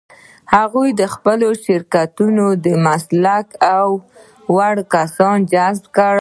هغوی خپلو شرکتونو ته مسلکي او وړ کسان جذب کړل.